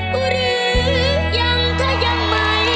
ขอบคุณค่ะ